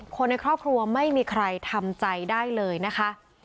คนในครอบครัวไม่มีใครทำใจได้เลยนะคะ